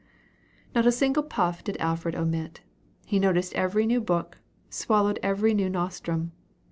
Not a single puff did Alfred omit; he noticed every new book, and swallowed every new nostrum.